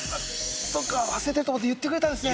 そっか忘れてると思って言ってくれたんですね。